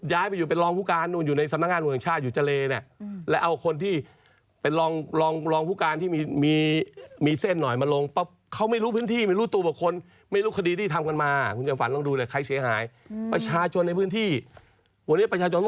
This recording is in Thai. ย้ายไปอยู่เป็นรองภูการนู้นอยู่ในสำนักงานรุงศักดิ์ชาติอยู่เจร